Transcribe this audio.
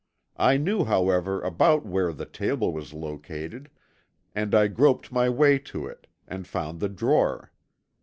I knew however about where the table was located and I groped my way to it, and found the drawer.